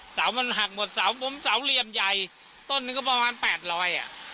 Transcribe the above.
เสามันหักหมดเสาผมเสาเหลี่ยมใหญ่ต้นนึงก็ประมาณแปดร้อยอ่ะ